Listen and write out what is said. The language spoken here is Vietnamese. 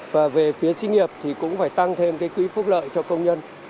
và về phía sinh nghiệp thì cũng phải tăng thêm cái quỹ phúc lợi cho công nhân